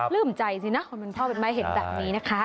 ลืมใจสินะคุณพ่อมาเห็นแบบนี้นะคะ